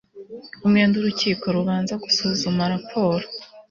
umwenda urukiko rubanza gusuzuma raporo